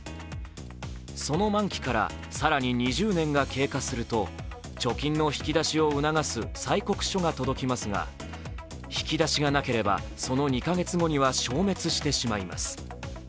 その満期から更に２０年が経過すると、貯金の引き出しを促す催告書が届きますが引き出しがなければその２か月後には消滅してしまいます。